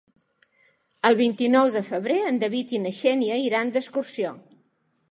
El vint-i-nou de febrer en David i na Xènia iran d'excursió.